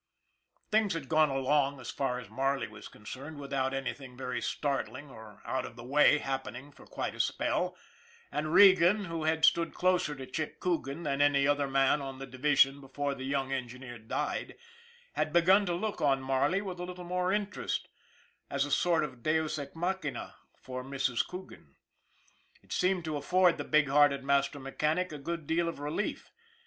Things had gone along, as far as Marley was con cerned, without anything very startling or out of the way happening for quite a spell, and Regan, who had stood closer to Chick Coogan than any other man on the division before the young engineer died, had begun to look on Marley with a little more interest as a sort of deus ex machina for Mrs. Coogan. It seemed to afford the big hearted master mechanic a good deal of relief.